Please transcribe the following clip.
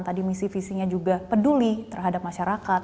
tadi misi visinya juga peduli terhadap masyarakat